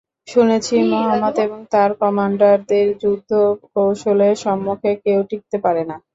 শুনেছি, মুহাম্মাদ এবং তার কমান্ডারদের যুদ্ধ-কৌশলের সম্মুখে কেউ টিকতে পারে না।